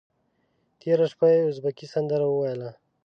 تېره شپه یې ازبکي سندره وویله.